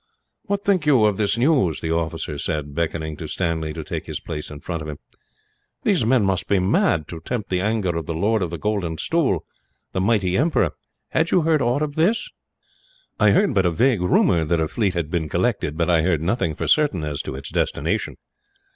"What think you of this news?" the officer said, beckoning to Stanley to take his place in front of him. "These men must be mad, to tempt the anger of the Lord of the Golden Stool, the mighty Emperor. Had you heard aught of this?" "I heard but a vague rumour that a fleet had been collected, but I heard nothing for certain as to its destination."